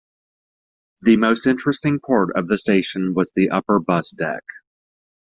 The most interesting part of the station was the upper bus deck.